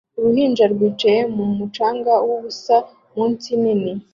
Uruhinja rwicaye ku mucanga wubusa munsi nini